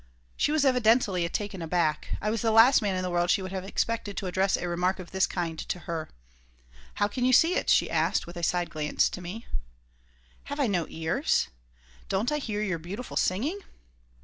She was evidently taken aback. I was the last man in the world she would have expected to address a remark of this kind to her "How can you see it?" she asked, with a side glance at me "Have I no ears? Don't I hear your beautiful singing?"